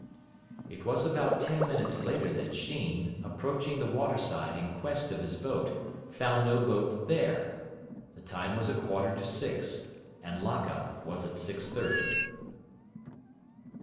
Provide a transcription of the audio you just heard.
It was about ten minutes later that Sheen, approaching the waterside in quest of his boat, found no boat there. The time was a quarter to six, and lock up was at six thirty.